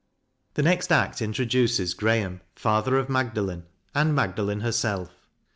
The next act introduces Graham, father of Mag dalen, and Magdalen herself.